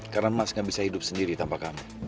karena mas gak bisa hidup sendiri tanpa kamu